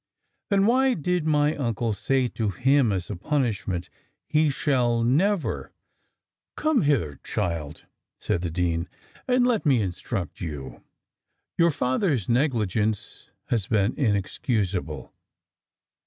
"Then why did my uncle say to him, as a punishment, 'he should never'" "Come hither, child," said the dean, "and let me instruct you; your father's negligence has been inexcusable.